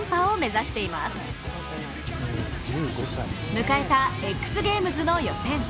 迎えたＸＧａｍｅｓの予選。